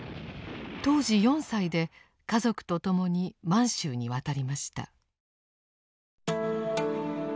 当時４歳で家族と共に満州に渡りました。